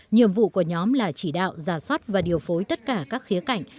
nhiệm vụ của nhóm là chỉ đạo giả soát và điều phối tất cả các khía cạnh